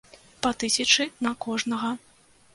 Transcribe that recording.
Па тысячы на кожнага.